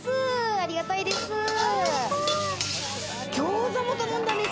ありがたいです。